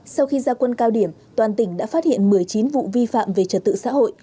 sau khi gia quân cao điểm toàn tỉnh đã phát hiện một mươi chín vụ vi phạm về trật tự xã hội